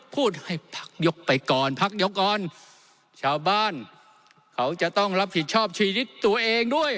พูดให้พักยกไปก่อนพักยกก่อนชาวบ้านเขาจะต้องรับผิดชอบชีวิตตัวเองด้วย